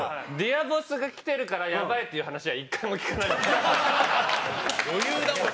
『Ｄｅａｒボス』がきてるからやばいっていう話は１回も聞かなかった。